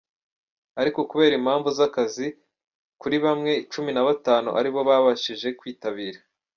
Ariko kubera impamvu z’akazi kuri bamwe, Cumi nabatanu aribo babashije kwitabira.